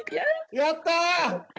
やった！